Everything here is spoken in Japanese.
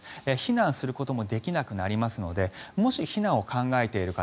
避難することもできなくなりますのでもし避難を考えている方